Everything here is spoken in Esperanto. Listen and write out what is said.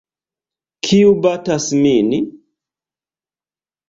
Kiu batas min?